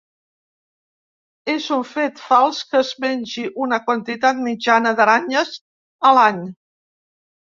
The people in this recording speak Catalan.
És un fet fals que es mengi una quantitat mitjana d'aranyes a l'any.